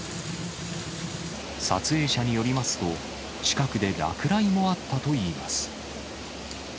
撮影者によりますと、近くで落雷もあったといいます。